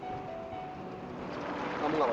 tuhan aku ingin menang